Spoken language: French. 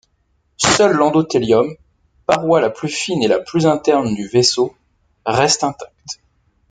Seul l'endothelium, paroi la plus fine et la plus interne du vaisseau, reste intacte.